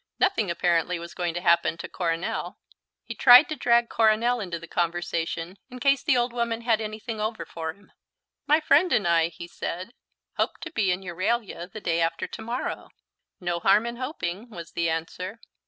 Nothing apparently was going to happen to Coronel. He tried to drag Coronel into the conversation in case the old woman had anything over for him. "My friend and I," he said, "hope to be in Euralia the day after to morrow." "No harm in hoping," was the answer.